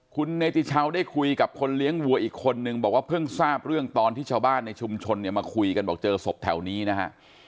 คุณเนติชาวได้คุยกับคนเลี้ยงวัวอีกคนนึงบอกว่าเพิ่งทราบเรื่องตอนที่ชาวบ้านในชุมชนเนี่ยมาคุยกันบอกเจอศพแถวนี้นะฮะ